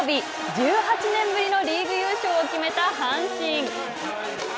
１８年ぶりのリーグ優勝を決めた阪神。